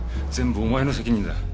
全部お前の責任だ。